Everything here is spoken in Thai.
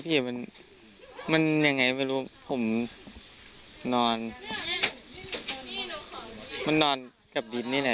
ผู้ว่านอนกลับดินทุกวันเลย